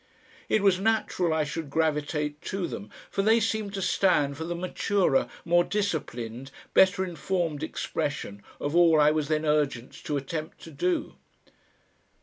It was natural I should gravitate to them, for they seemed to stand for the maturer, more disciplined, better informed expression of all I was then urgent to attempt to do.